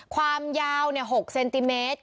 ความยาวเนี่ย๖เซนติเมตร